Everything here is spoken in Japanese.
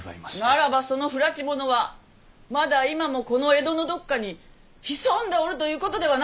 ならばその不埒者はまだ今もこの江戸のどこかに潜んでおるということではないか！